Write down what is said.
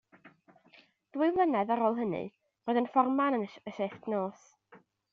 Ddwy flynedd ar ôl hynny, roedd yn fforman y shifft nos.